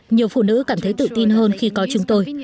nhiều phụ nữ cảm thấy tự tin hơn khi có chúng tôi